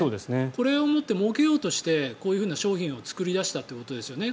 これをもってもうけようとしてこういう商品を作り出したということですよね。